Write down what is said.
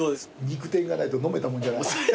肉天がないと飲めたもんじゃない。